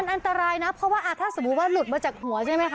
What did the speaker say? อันตรายนะเพราะว่าถ้าสมมุติว่าหลุดมาจากหัวใช่ไหมค